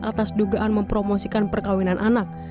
atas dugaan mempromosikan perkawinan anak